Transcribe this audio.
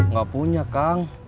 gak punya kang